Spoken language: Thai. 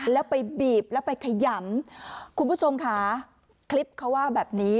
แล้วไปบีบแล้วไปขยำคุณผู้ชมค่ะคลิปเขาว่าแบบนี้